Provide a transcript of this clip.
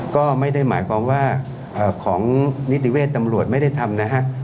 ก็ไม่ได้หมายความว่าของนิติเวชตำรวจไม่ได้ทำนะฮะ